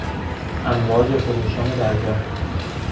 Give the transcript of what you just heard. امواج خروشان دریا